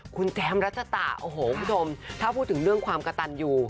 คุณแจมรัชตะโอ้โหคุณผู้ชมถ้าพูดถึงเรื่องความกระตันอยู่